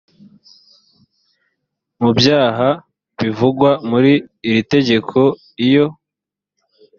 mu byaha bivugwa muri iri tegeko iyo